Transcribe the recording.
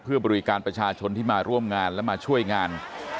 เพื่อบริการประชาชนที่มาร่วมงานและมาช่วยงาน